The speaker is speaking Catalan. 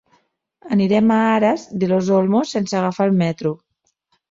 Anirem a Aras de los Olmos sense agafar el metro.